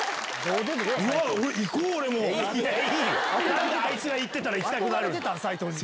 何であいつが行ってたら行きたくなるんだ